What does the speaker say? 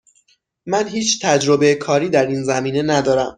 من هیچ تجربه کاری در این زمینه ندارم.